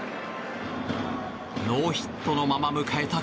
ノーヒットのまま迎えた